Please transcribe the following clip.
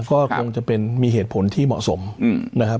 ก็คงจะเป็นมีเหตุผลที่เหมาะสมนะครับ